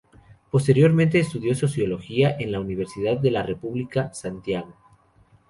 Posteriormente estudió sociología en la Universidad de la República, Santiago.